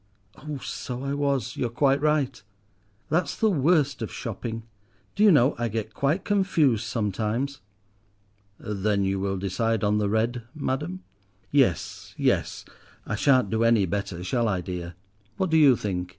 "Oh, so I was, you're quite right. That's the worst of shopping. Do you know I get quite confused sometimes." "Then you will decide on the red, madam?" "Yes—yes, I shan't do any better, shall I, dear? What do you think?